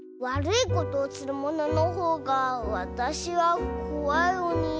わるいことをするもののほうがわたしはこわい